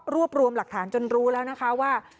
รวบรวมหลักฐานจนรู้แล้วนะคะว่า